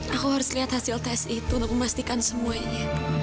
aku harus lihat hasil tes itu untuk memastikan semuanya